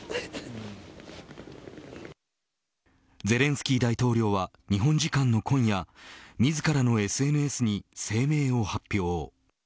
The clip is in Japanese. ゼレンスキー大統領は日本時間の今夜自らのＳＮＳに声明を発表。